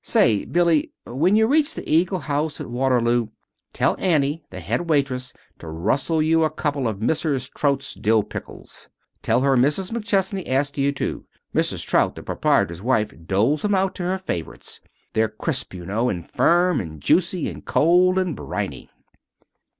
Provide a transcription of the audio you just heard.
"Say, Billy, when you reach the Eagle House at Waterloo, tell Annie, the head waitress to rustle you a couple of Mrs. Traudt's dill pickles. Tell her Mrs. McChesney asked you to. Mrs. Traudt, the proprietor's wife, doles 'em out to her favorites. They're crisp, you know, and firm, and juicy, and cold, and briny."